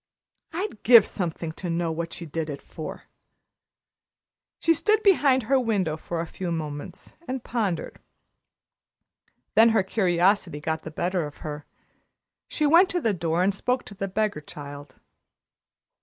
I'd give something to know what she did it for." She stood behind her window for a few moments and pondered. Then her curiosity got the better of her. She went to the door and spoke to the beggar child.